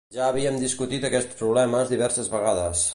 Ja havíem discutit aquests problemes diverses vegades